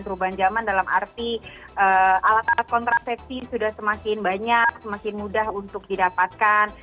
perubahan zaman dalam arti alat alat kontrasepsi sudah semakin banyak semakin mudah untuk didapatkan